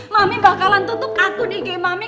mami bakalan tutup atun ig mami